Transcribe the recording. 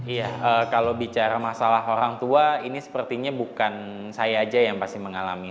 iya kalau bicara masalah orang tua ini sepertinya bukan saya aja yang pasti mengalami